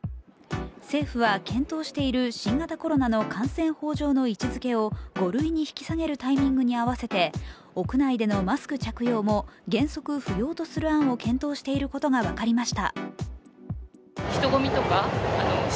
政府は、検討している新型コロナの感染法上の位置づけを５類に引き下げるタイミングに合わせて屋内でのマスク着用も原則不要とする案を検討していることが分かりました。